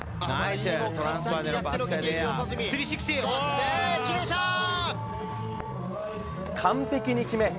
そして、決めたー！